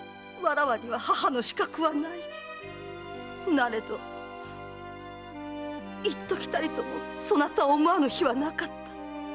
なれど一時たりともそなたを思わぬ日はなかった。